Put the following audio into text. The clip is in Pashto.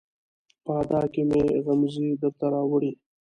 په ادا کې مې غمزې درته راوړي